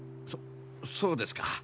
そそうですか。